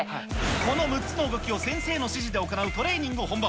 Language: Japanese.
この６つの動きを先生の指示で行うトレーニング本番。